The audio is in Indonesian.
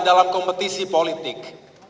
dalam kompetisi politik